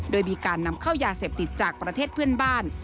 โดยมีการนำเข้ายาเสพติดจากประเทศเพื่อนบ้าน